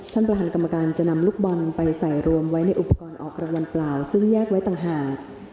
ท่านประธานกรรมการจะนำลูกบอลไปใส่รวมไว้ในอุปกรณ์ออกรางวัลเปล่าซึ่งแยกไว้ต่างหาก